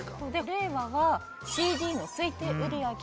令和はＣＤの推定売り上げ。